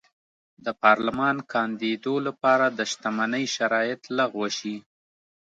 د پارلمان کاندېدو لپاره د شتمنۍ شرایط لغوه شي.